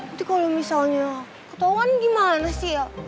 nanti kalo misalnya ketauan gimana sil